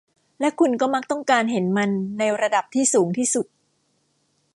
และคุณก็มักต้องการเห็นมันในระดับที่สูงที่สุด